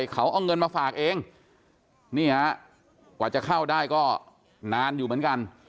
เขาเอาเงินมาฝากเองนี่ฮะกว่าจะเข้าได้ก็นานอยู่เหมือนกัน